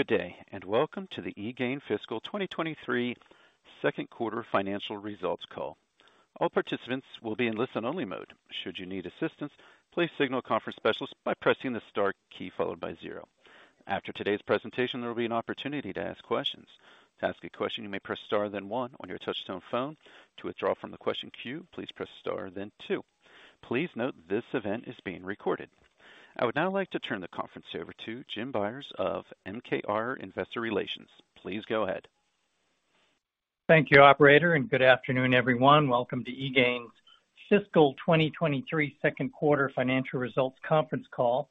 Good day, welcome to the eGain Fiscal 2023 Second Quarter Financial Results Call. All participants will be in listen-only mode. Should you need assistance, please signal a conference specialist by pressing the star key followed by zero. After today's presentation, there will be an opportunity to ask questions. To ask a question, you may press star then one on your touchtone phone. To withdraw from the question queue, please press star then two. Please note this event is being recorded. I would now like to turn the conference over to Jim Byers of MKR Investor Relations. Please go ahead. Thank you, operator, and good afternoon, everyone. Welcome to eGain's Fiscal 2023 Second Quarter Financial Results conference call.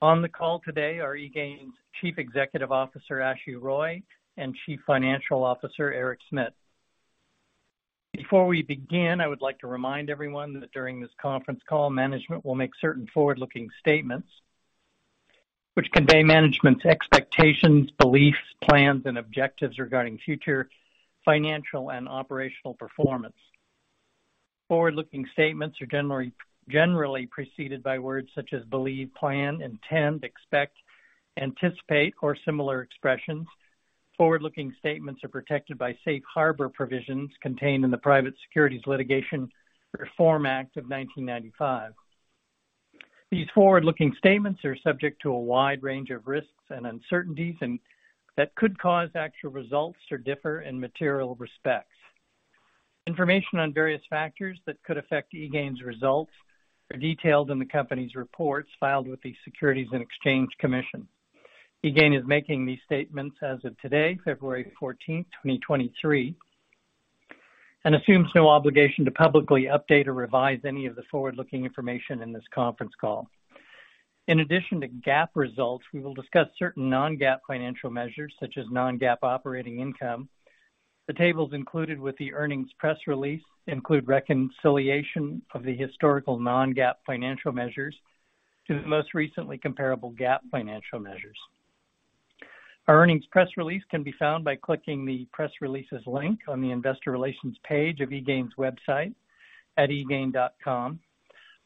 On the call today are eGain's Chief Executive Officer, Ashu Roy, and Chief Financial Officer, Eric Smit. Before we begin, I would like to remind everyone that during this conference call, management will make certain forward-looking statements which convey management's expectations, beliefs, plans, and objectives regarding future financial and operational performance. Forward-looking statements are generally preceded by words such as believe, plan, intend, expect, anticipate, or similar expressions. Forward-looking statements are protected by safe harbor provisions contained in the Private Securities Litigation Reform Act of 1995. These forward-looking statements are subject to a wide range of risks and uncertainties and that could cause actual results to differ in material respects. Information on various factors that could affect eGain's results are detailed in the company's reports filed with the Securities and Exchange Commission. eGain is making these statements as of today, February 14th, 2023, and assumes no obligation to publicly update or revise any of the forward-looking information in this conference call. In addition to GAAP results, we will discuss certain non-GAAP financial measures, such as non-GAAP operating income. The tables included with the earnings press release include reconciliation of the historical non-GAAP financial measures to the most recently comparable GAAP financial measures. Our earnings press release can be found by clicking the Press Releases link on the Investor Relations page of eGain's website at egain.com.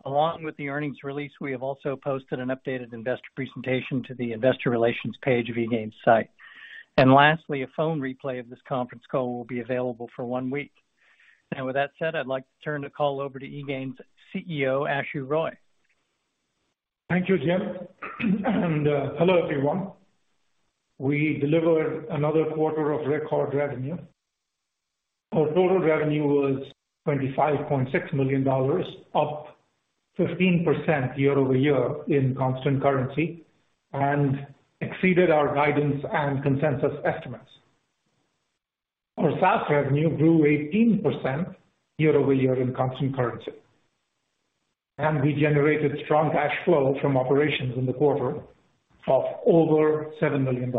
Along with the earnings release, we have also posted an updated investor presentation to the Investor Relations page of eGain's site. Lastly, a phone replay of this conference call will be available for one week. Now, with that said, I'd like to turn the call over to eGain's CEO, Ashu Roy. Thank you, Jim. Hello, everyone. We delivered another quarter of record revenue. Our total revenue was $25.6 million, up 15% year-over-year in constant currency and exceeded our guidance and consensus estimates. Our SaaS revenue grew 18% year-over-year in constant currency. We generated strong cash flow from operations in the quarter of over $7 million.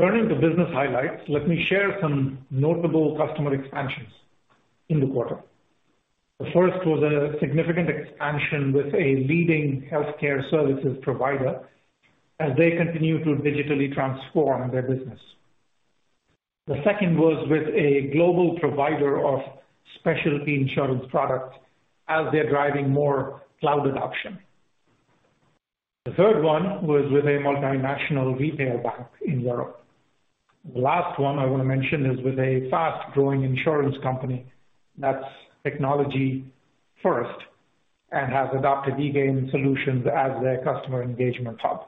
Turning to business highlights, let me share some notable customer expansions in the quarter. The first was a significant expansion with a leading healthcare services provider as they continue to digitally transform their business. The second was with a global provider of specialty insurance products as they're driving more cloud adoption. The third one was with a multinational retail bank in Europe. The last one I wanna mention is with a fast-growing insurance company that's technology first and has adopted eGain solutions as their customer engagement hub.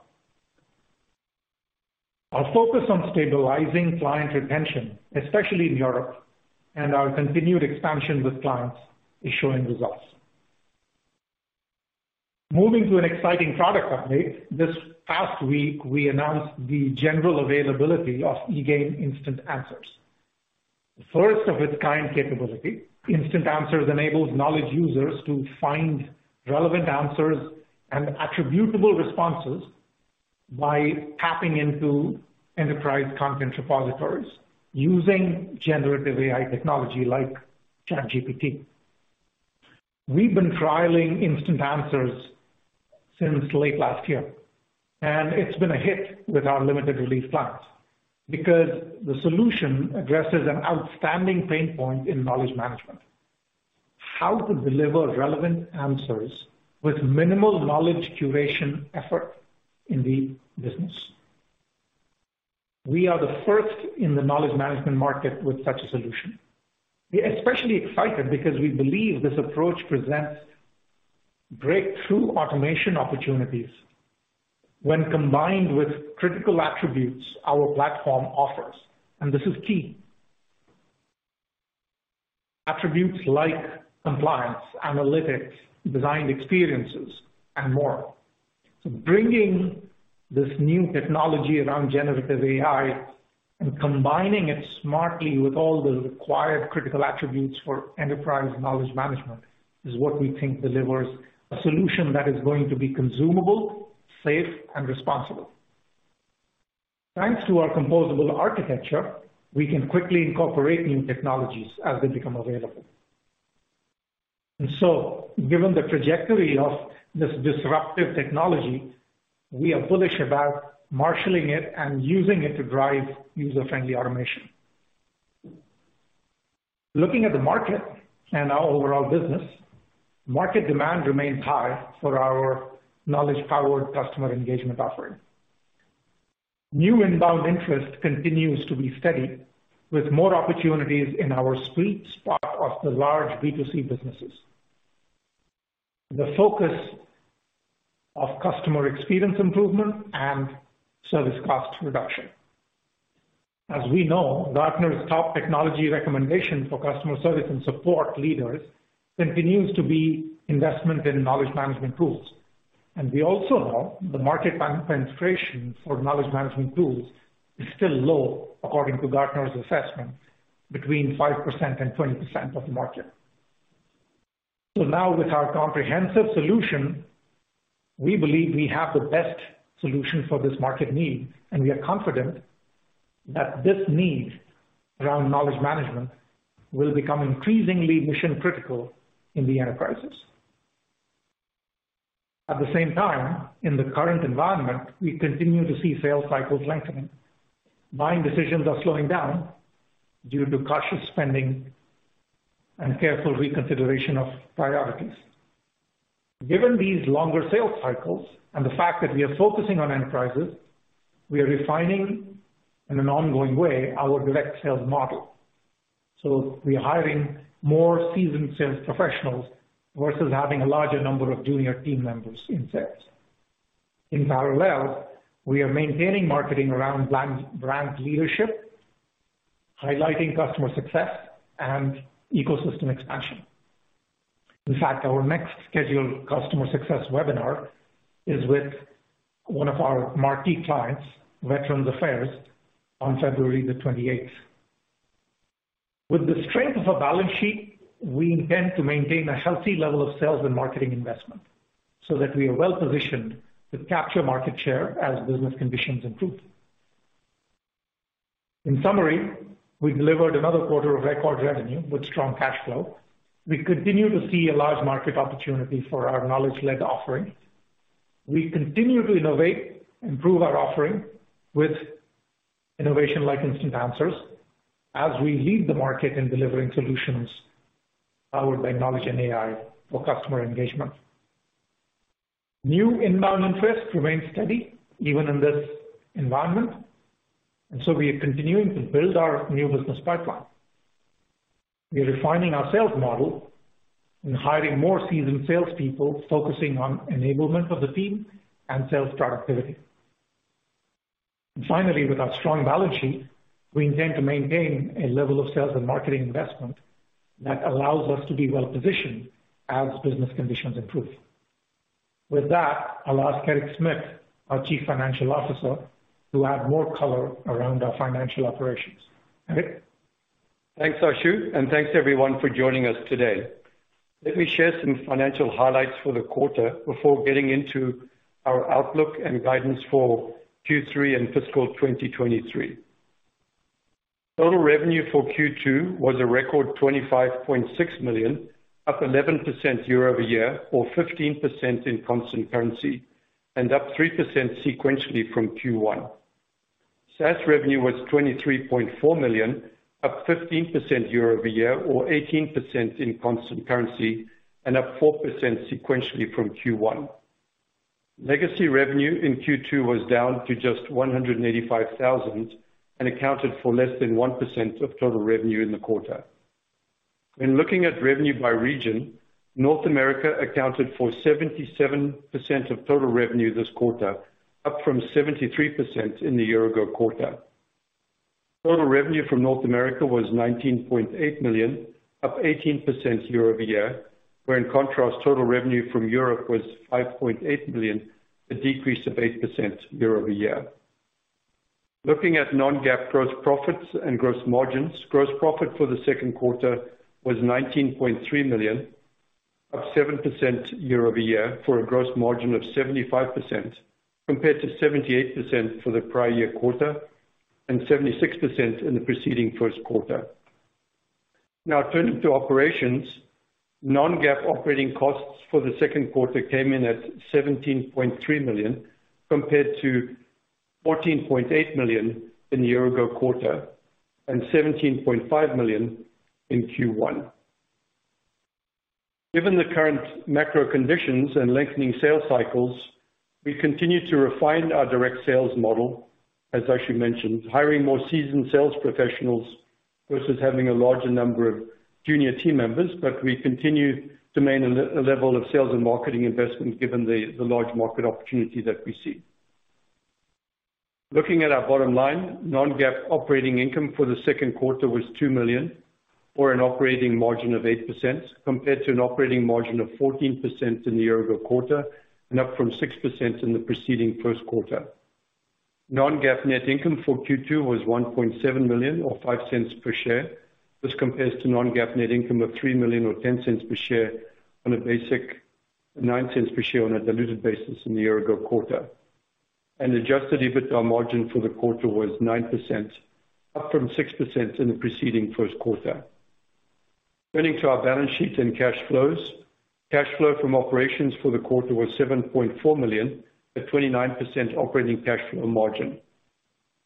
Our focus on stabilizing client retention, especially in Europe, and our continued expansion with clients is showing results. Moving to an exciting product update. This past week, we announced the general availability of eGain Instant Answers. The first of its kind capability, Instant Answers enables knowledge users to find relevant answers and attributable responses by tapping into enterprise content repositories using generative AI technology like ChatGPT. We've been trialing Instant Answers since late last year, and it's been a hit with our limited release plans because the solution addresses an outstanding pain point in knowledge management: how to deliver relevant answers with minimal knowledge curation effort in the business. We are the first in the knowledge management market with such a solution. We're especially excited because we believe this approach presents breakthrough automation opportunities when combined with critical attributes our platform offers. This is key. Attributes like compliance, analytics, designed experiences, and more. Bringing this new technology around generative AI and combining it smartly with all the required critical attributes for enterprise knowledge management is what we think delivers a solution that is going to be consumable, safe, and responsible. Thanks to our composable architecture, we can quickly incorporate new technologies as they become available. Given the trajectory of this disruptive technology, we are bullish about marshaling it and using it to drive user-friendly automation. Looking at the market and our overall business, market demand remains high for our knowledge powered customer engagement offering. New inbound interest continues to be steady with more opportunities in our sweet spot of the large B2C businesses. The focus of customer experience improvement and service cost reduction. We also know the market penetration for knowledge management tools is still low, according to Gartner's assessment, between 5% and 20% of the market. Now with our comprehensive solution, we believe we have the best solution for this market need, and we are confident that this need around knowledge management will become increasingly mission-critical in the enterprises. At the same time, in the current environment, we continue to see sales cycles lengthening. Buying decisions are slowing down due to cautious spending and careful reconsideration of priorities. Given these longer sales cycles and the fact that we are focusing on enterprises, we are refining in an ongoing way our direct sales model. We are hiring more seasoned sales professionals versus having a larger number of junior team members in sales. In parallel, we are maintaining marketing around brand leadership, highlighting customer success and ecosystem expansion. Our next scheduled customer success webinar is with one of our marquee clients, Veterans Affairs, on February 28th. With the strength of a balance sheet, we intend to maintain a healthy level of sales and marketing investment so that we are well positioned to capture market share as business conditions improve. In summary, we've delivered another quarter of record revenue with strong cash flow. We continue to see a large market opportunity for our knowledge-led offering. We continue to innovate and improve our offering with innovation like Instant Answers as we lead the market in delivering solutions powered by knowledge and AI for customer engagement. New inbound interest remains steady even in this environment, and so we are continuing to build our new business pipeline. We are refining our sales model and hiring more seasoned salespeople, focusing on enablement of the team and sales productivity. Finally, with our strong balance sheet, we intend to maintain a level of sales and marketing investment that allows us to be well positioned as business conditions improve. With that, I'll ask Eric Smit, our Chief Financial Officer, to add more color around our financial operations. Eric. Thanks, Ashu. Thanks everyone for joining us today. Let me share some financial highlights for the quarter before getting into our outlook and guidance for Q3 and fiscal 2023. Total revenue for Q2 was a record $25.6 million, up 11% year-over-year or 15% in constant currency, and up 3% sequentially from Q1. SaaS revenue was $23.4 million, up 15% year-over-year or 18% in constant currency, and up 4% sequentially from Q1. Legacy revenue in Q2 was down to just $185,000 and accounted for less than 1% of total revenue in the quarter. When looking at revenue by region, North America accounted for 77% of total revenue this quarter, up from 73% in the year ago quarter. Total revenue from North America was $19.8 million, up 18% year-over-year, where in contrast, total revenue from Europe was $5.8 million, a decrease of 8% year-over-year. Looking at non-GAAP gross profits and gross margins. Gross profit for the second quarter was $19.3 million, up 7% year-over-year for a gross margin of 75%, compared to 78% for the prior-year-quarter and 76% in the preceding first quarter. Turning to operations. Non-GAAP operating costs for the second quarter came in at $17.3 million, compared to $14.8 million in the year-ago quarter and $17.5 million in Q1. Given the current macro conditions and lengthening sales cycles, we continue to refine our direct sales model, as Ashu mentioned, hiring more seasoned sales professionals versus having a larger number of junior team members. We continue to maintain a level of sales and marketing investment given the large market opportunity that we see. Looking at our bottom line, non-GAAP operating income for the second quarter was $2 million or an operating margin of 8% compared to an operating margin of 14% in the year ago quarter and up from 6% in the preceding first quarter. Non-GAAP net income for Q2 was $1.7 million or $0.05 per share. This compares to non-GAAP net income of $3 million or $0.10 per share on a basic $0.09 per share on a diluted basis in the year ago quarter. Adjusted EBITDA margin for the quarter was 9%, up from 6% in the preceding first quarter. Turning to our balance sheet and cash flows. Cash flow from operations for the quarter was $7.4 million at 29% operating cash flow margin.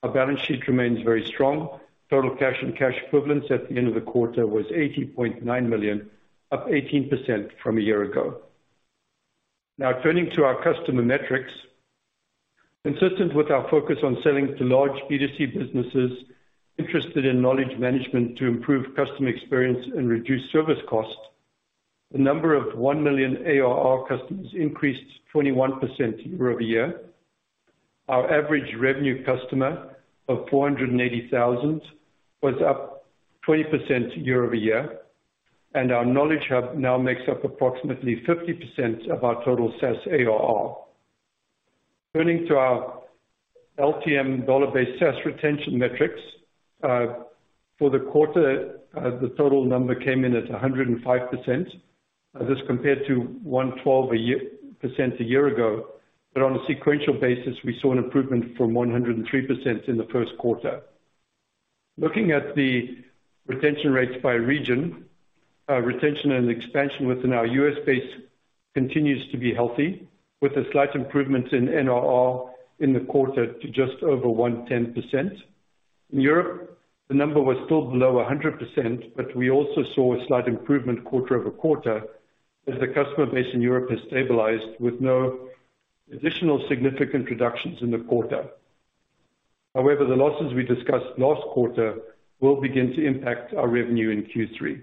Our balance sheet remains very strong. Total cash and cash equivalents at the end of the quarter was $80.9 million, up 18% from a year ago. Turning to our customer metrics. Consistent with our focus on selling to large B2C businesses interested in knowledge management to improve customer experience and reduce service costs, the number of 1 million ARR customers increased 21% year-over-year. Our average revenue customer of $480,000 was up 20% year-over-year, and our Knowledge Hub now makes up approximately 50% of our total SaaS ARR. Turning to our LTM dollar based SaaS retention metrics for the quarter, the total number came in at 105%. This compared to 112% a year ago. On a sequential basis, we saw an improvement from 103% in the first quarter. Looking at the retention rates by region, retention and expansion within our U.S. base continues to be healthy, with a slight improvement in NRR in the quarter to just over 110%. In Europe, the number was still below 100%, we also saw a slight improvement quarter-over-quarter as the customer base in Europe has stabilized with no additional significant reductions in the quarter. The losses we discussed last quarter will begin to impact our revenue in Q3.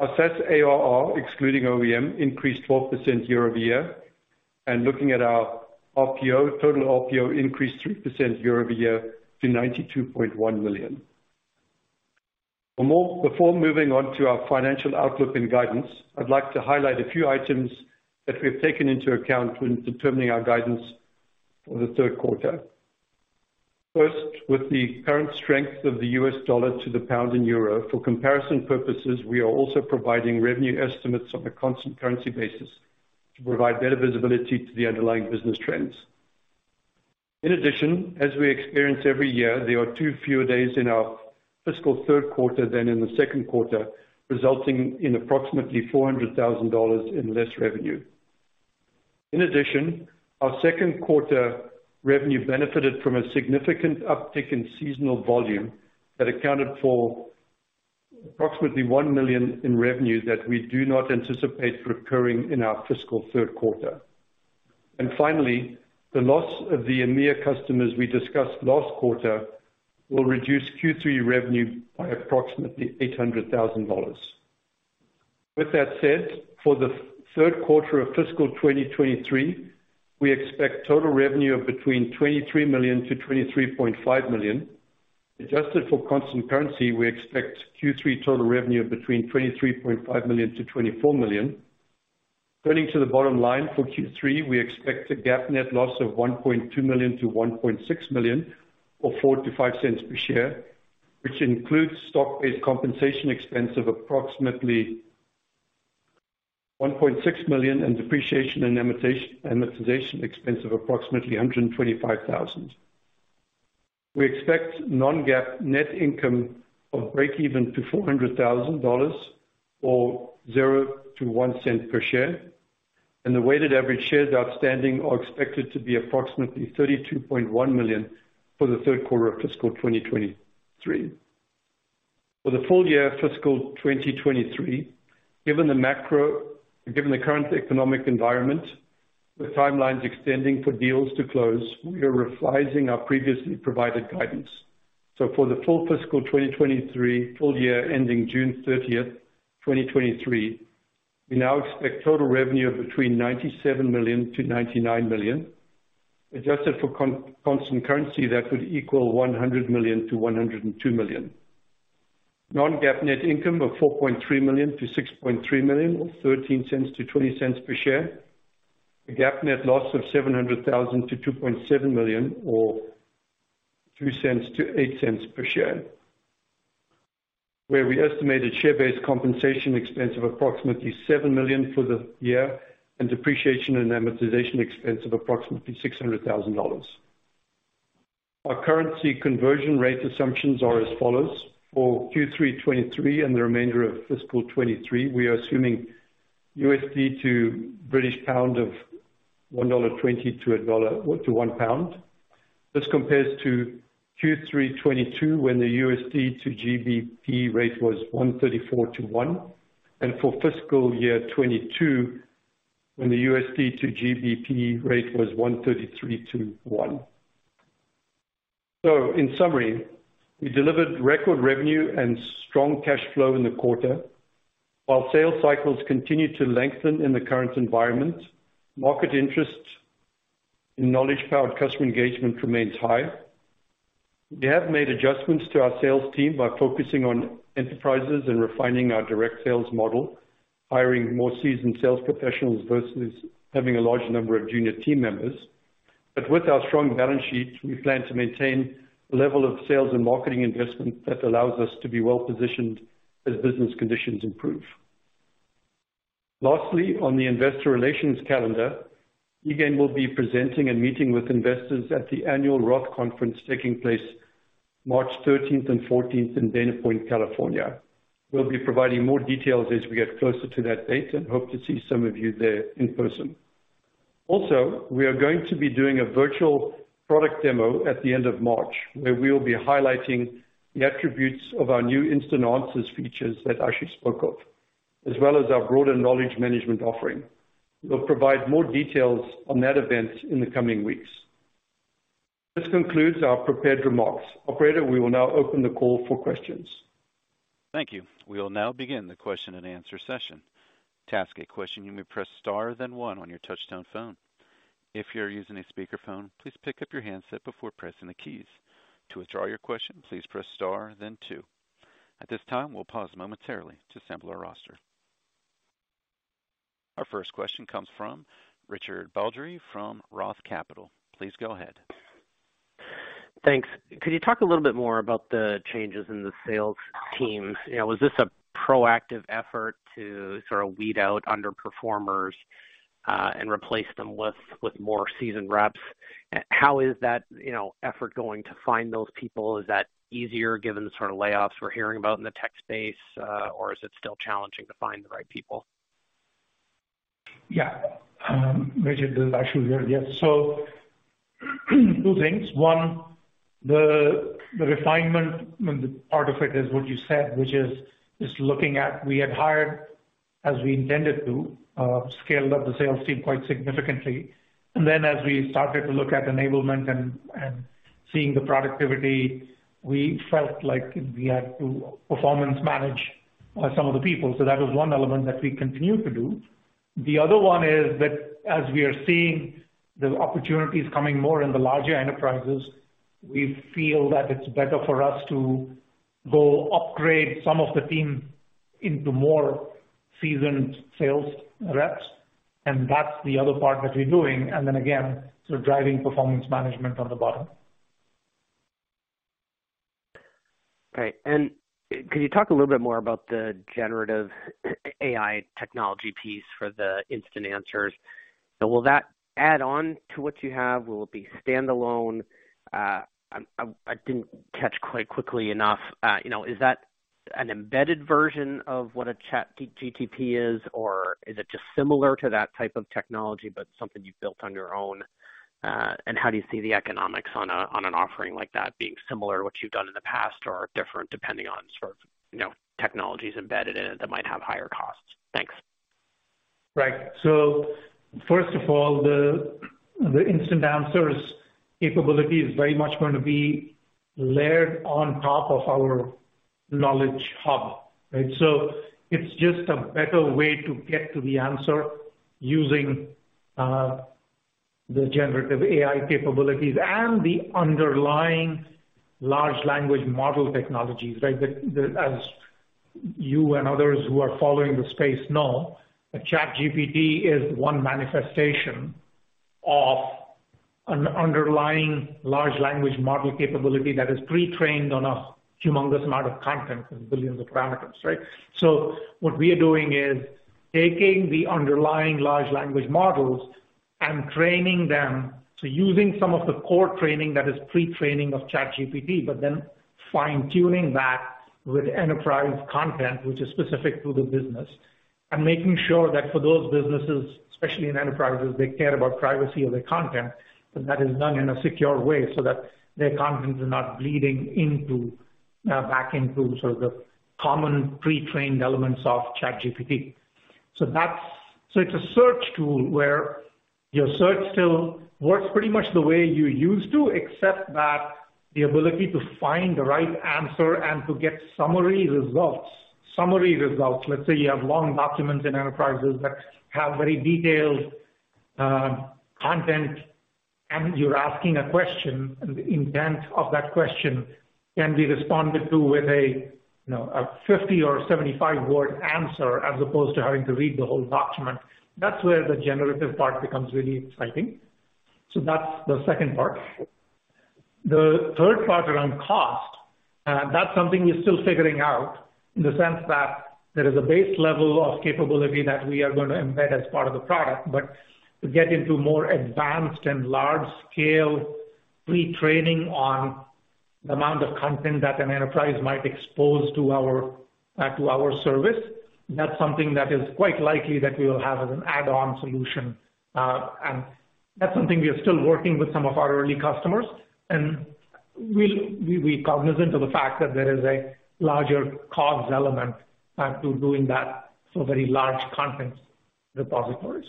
Our SaaS ARR, excluding OEM, increased 12% year-over-year. Looking at our RPO, total RPO increased 3% year-over-year to $92.1 million. Before moving on to our financial outlook and guidance, I'd like to highlight a few items that we've taken into account when determining our guidance for the third quarter. First, with the current strength of the US dollar to the pound in Europe, for comparison purposes, we are also providing revenue estimates on a constant currency basis to provide better visibility to the underlying business trends. In addition, as we experience every year, there are two fewer days in our fiscal third quarter than in the second quarter, resulting in approximately $400,000 in less revenue. Our second quarter revenue benefited from a significant uptick in seasonal volume that accounted for approximately $1 million in revenue that we do not anticipate recurring in our fiscal third quarter. Finally, the loss of the EMEA customers we discussed last quarter will reduce Q3 revenue by approximately $800,000. With that said, for the third quarter of fiscal 2023, we expect total revenue of between $23 million-$23.5 million. Adjusted for constant currency, we expect Q3 total revenue of between $23.5 million-$24 million. Turning to the bottom line for Q3, we expect a GAAP net loss of $1.2 million-$1.6 million or $0.04-$0.05 per share, which includes stock-based compensation expense of approximately $1.6 million and depreciation and amortization expense of approximately $125,000. We expect non-GAAP net income of break even to $400,000 or $0.00-$0.01 per share. The weighted average shares outstanding are expected to be approximately 32.1 million for the third quarter of fiscal 2023. For the full year fiscal 2023, given the current economic environment, with timelines extending for deals to close, we are revising our previously provided guidance. For the full fiscal 2023 full year ending June 30, 2023, we now expect total revenue of between $97 million-$99 million. Adjusted for constant currency, that would equal $100 million-$102 million. Non-GAAP net income of $4.3 million-$6.3 million or $0.13-$0.20 per share. A GAAP net loss of $700,000 to $2.7 million or $0.02-$0.08 per share, where we estimated share-based compensation expense of approximately $7 million for the year and depreciation and amortization expense of approximately $600,000. Our currency conversion rate assumptions are as follows: For Q3 2023 and the remainder of fiscal 2023, we are assuming USD to British Pound of $1.20 to £1. This compares to Q3 2022 when the USD to GBP rate was $1.34 to £1, and for fiscal year 2022 when the USD to GBP rate was $1.33 to £1. In summary, we delivered record revenue and strong cash flow in the quarter. While sales cycles continue to lengthen in the current environment, market interest in knowledge-powered customer engagement remains high. We have made adjustments to our sales team by focusing on enterprises and refining our direct sales model, hiring more seasoned sales professionals versus having a large number of junior team members. With our strong balance sheet, we plan to maintain a level of sales and marketing investment that allows us to be well positioned as business conditions improve. Lastly, on the investor relations calendar, eGain will be presenting and meeting with investors at the annual Roth Conference taking place March 13th and 14th in Dana Point, California. We'll be providing more details as we get closer to that date and hope to see some of you there in person. We are going to be doing a virtual product demo at the end of March, where we'll be highlighting the attributes of our new Instant Answers features that Ashu spoke of, as well as our broader knowledge management offering. We'll provide more details on that event in the coming weeks. This concludes our prepared remarks. Operator, we will now open the call for questions. Thank you. We will now begin the question-and-answer session. To ask a question, you may press star then one on your touchtone phone. If you're using a speakerphone, please pick up your handset before pressing the keys. To withdraw your question, please press star then two. At this time, we'll pause momentarily to assemble our roster. Our first question comes from Richard Baldry from Roth Capital. Please go ahead. Thanks. Could you talk a little bit more about the changes in the sales team? You know, was this a proactive effort to sort of weed out underperformers, and replace them with more seasoned reps? How is that, you know, effort going to find those people? Is that easier given the sort of layoffs we're hearing about in the tech space, or is it still challenging to find the right people? Yeah. Richard, this is Ashu here. Yes. two things. One, the refinement and part of it is what you said, which is just looking at. We had hired, as we intended to, scaled up the sales team quite significantly. As we started to look at enablement and seeing the productivity, we felt like we had to performance manage some of the people. That is one element that we continue to do. The other one is that as we are seeing the opportunities coming more in the larger enterprises, we feel that it's better for us to go upgrade some of the team into more seasoned sales reps, and that's the other part that we're doing. Again, sort of driving performance management from the bottom. Right. Could you talk a little bit more about the generative AI technology piece for the Instant Answers? Will that add on to what you have? Will it be standalone? I didn't catch quite quickly enough. you know, is that an embedded version of what a ChatGPT is, or is it just similar to that type of technology but something you've built on your own? How do you see the economics on an offering like that being similar to what you've done in the past or different depending on sort of, you know, technologies embedded in it that might have higher costs? Thanks. Right. First of all, the Instant Answers capability is very much going to be layered on top of our Knowledge Hub, right? It's just a better way to get to the answer using the generative AI capabilities and the underlying large language model technologies, right? As you and others who are following the space know, ChatGPT is one manifestation of an underlying large language model capability that is pre-trained on a humongous amount of content and billions of parameters, right? What we are doing is taking the underlying large language models and training them. Using some of the core training that is pre-training of ChatGPT, but then fine-tuning that with enterprise content, which is specific to the business. Making sure that for those businesses, especially in enterprises, they care about privacy of their content, that that is done in a secure way so that their content is not bleeding into back into sort of the common pre-trained elements of ChatGPT. It's a search tool where your search still works pretty much the way you used to, except that the ability to find the right answer and to get summary results. Summary results. Let's say you have long documents in enterprises that have very detailed content, and you're asking a question, and the intent of that question can be responded to with a, you know, a 50 or 75 word answer as opposed to having to read the whole document. That's where the generative part becomes really exciting. That's the second part. The third part around cost, that's something we're still figuring out in the sense that there is a base level of capability that we are going to embed as part of the product. To get into more advanced and large scale pre-training on the amount of content that an enterprise might expose to our, to our service, that's something that is quite likely that we will have as an add-on solution. That's something we are still working with some of our early customers. We're cognizant of the fact that there is a larger cost element, to doing that for very large content repositories.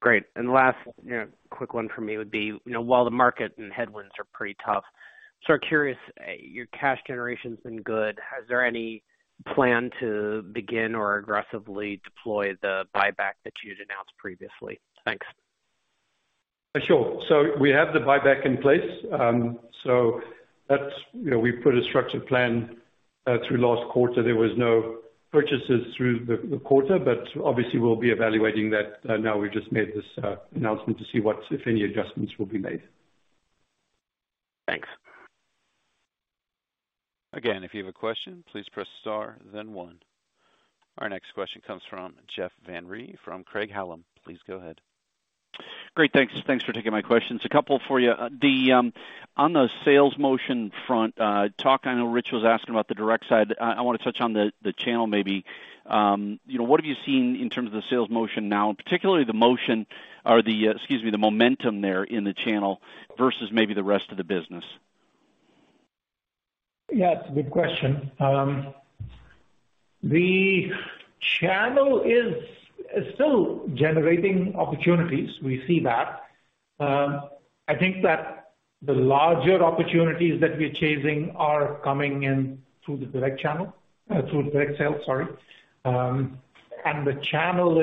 Great. Last, you know, quick one for me would be, you know, while the market and headwinds are pretty tough, so curious, your cash generation's been good. Is there any plan to begin or aggressively deploy the buyback that you'd announced previously? Thanks. Sure. We have the buyback in place. That's, you know, we've put a structured plan through last quarter. There was no purchases through the quarter, but obviously we'll be evaluating that now we've just made this announcement to see what, if any, adjustments will be made. Thanks. Again, if you have a question, please press star then one. Our next question comes from Jeff Van Rhee from Craig-Hallum. Please go ahead. Great. Thanks. Thanks for taking my questions. A couple for you. On the sales motion front, I know Rich was asking about the direct side. I wanna touch on the channel maybe. You know, what have you seen in terms of the sales motion now, and particularly the motion or, excuse me, the momentum there in the channel versus maybe the rest of the business? Yeah, it's a good question. The channel is still generating opportunities. We see that. I think that the larger opportunities that we're chasing are coming in through the direct channel, through the direct sales, sorry. The channel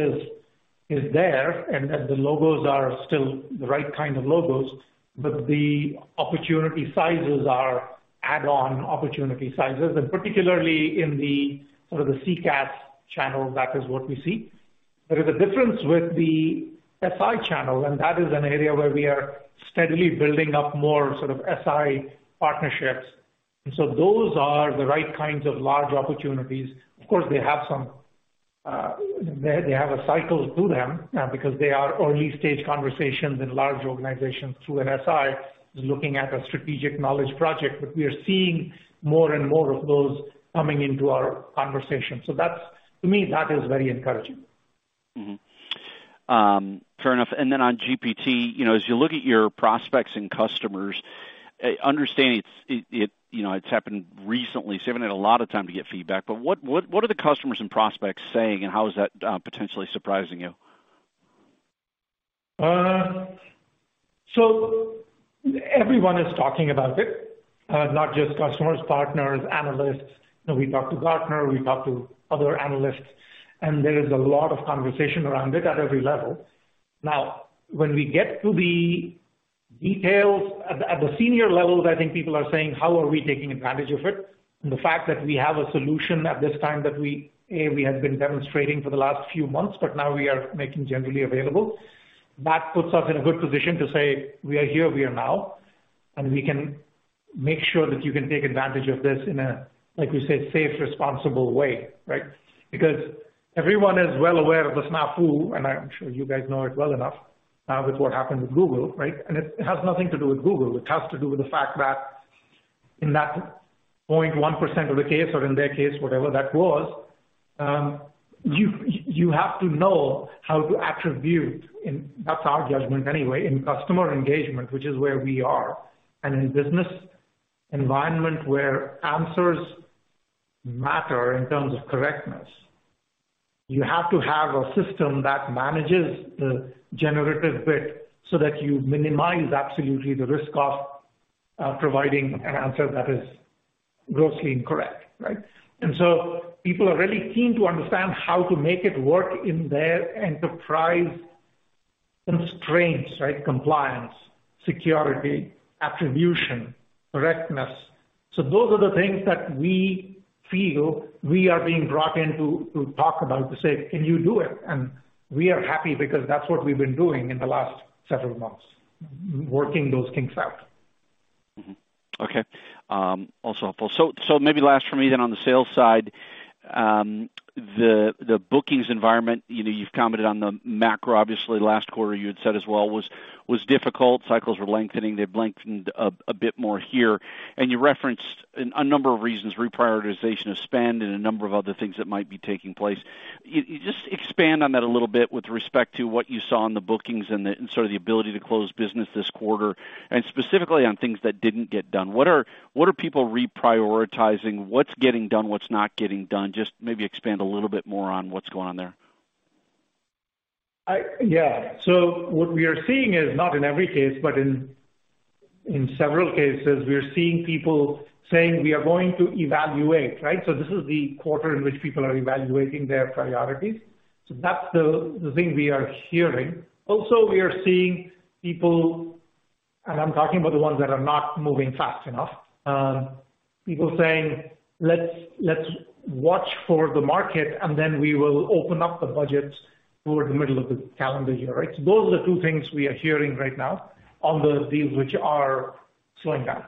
is there, and the logos are still the right kind of logos, but the opportunity sizes are add-on opportunity sizes. Particularly in the sort of the CCaaS channel, that is what we see. There is a difference with the SI channel, and that is an area where we are steadily building up more sort of SI partnerships. Those are the right kinds of large opportunities. Of course, they have some, they have a cycle to them, because they are early stage conversations in large organizations through an SI looking at a strategic knowledge project. We are seeing more and more of those coming into our conversation. That's, to me, that is very encouraging. Fair enough. Then on GPT, you know, as you look at your prospects and customers, understanding it's, it, you know, it's happened recently, so you haven't had a lot of time to get feedback, what are the customers and prospects saying, and how is that potentially surprising you? Everyone is talking about it, not just customers, partners, analysts. You know, we talk to Gartner, we talk to other analysts, there is a lot of conversation around it at every level. Now, when we get to the details at the senior levels, I think people are saying, "How are we taking advantage of it?" The fact that we have a solution at this time that we have been demonstrating for the last few months, but now we are making generally available, that puts us in a good position to say, "We are here, we are now, and we can make sure that you can take advantage of this in a," like we say, "safe, responsible way," right? Because everyone is well aware of the snafu, and I'm sure you guys know it well enough, with what happened with Google, right? It has nothing to do with Google. It has to do with the fact that in that 0.1% of the case or in their case, whatever that was, you have to know how to attribute, and that's our judgment anyway, in customer engagement, which is where we are. In business environment where answers matter in terms of correctness, you have to have a system that manages the generative bit so that you minimize absolutely the risk of providing an answer that is grossly incorrect, right? People are really keen to understand how to make it work in their enterprise constraints, right? Compliance, security, attribution, correctness. Those are the things that we feel we are being brought in to talk about, to say, "Can you do it?" We are happy because that's what we've been doing in the last several months, working those things out. Okay. Also helpful. Maybe last for me then on the sales side. The bookings environment, you know, you've commented on the macro, obviously. Last quarter you had said as well was difficult. Cycles were lengthening. They've lengthened a bit more here. You referenced a number of reasons, reprioritization of spend and a number of other things that might be taking place. You just expand on that a little bit with respect to what you saw in the bookings and the sort of the ability to close business this quarter, and specifically on things that didn't get done. What are people reprioritizing? What's getting done? What's not getting done? Just maybe expand a little bit more on what's going on there. Yeah. What we are seeing is not in every case, but in several cases, we are seeing people saying we are going to evaluate, right? This is the quarter in which people are evaluating their priorities. That's the thing we are hearing. Also, we are seeing people, and I'm talking about the ones that are not moving fast enough, people saying, "Let's watch for the market and then we will open up the budgets toward the middle of the calendar year," right? Those are the two things we are hearing right now on the deals which are slowing down.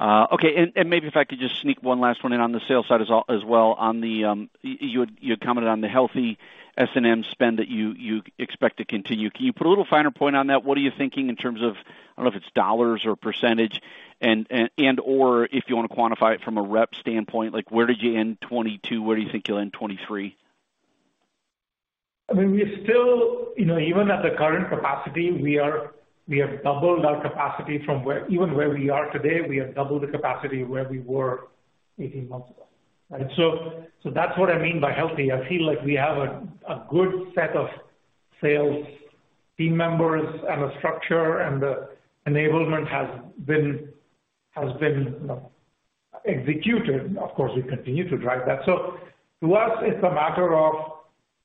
Okay. Maybe if I could just sneak one last one in on the sales side as well on the, you had commented on the healthy S&M spend that you expect to continue. Can you put a little finer point on that? What are you thinking in terms of, I don't know if it's dollars or % and/or if you wanna quantify it from a rep standpoint, like where did you end 2022? Where do you think you'll end 2023? I mean, we are still, you know, even at the current capacity, We have doubled our capacity from where we are today, we have doubled the capacity where we were 18 months ago, right? That's what I mean by healthy. I feel like we have a good set of sales team members and a structure and the enablement has been, you know, executed. Of course, we continue to drive that. To us, it's a matter of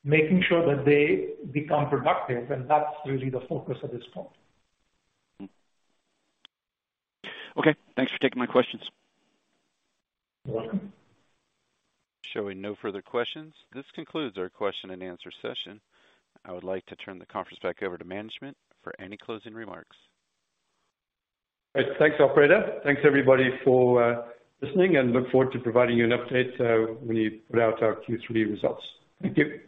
making sure that they become productive, and that's really the focus at this point. Okay. Thanks for taking my questions. Welcome. Showing no further questions, this concludes our question and answer session. I would like to turn the conference back over to management for any closing remarks. Right. Thanks, operator. Thanks, everybody for listening, and look forward to providing you an update when we put out our Q3 results. Thank you.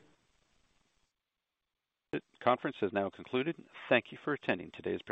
The conference has now concluded. Thank you for attending today's call.